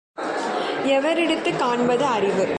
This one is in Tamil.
எவரிடத்துக் காண்பது அறிவு?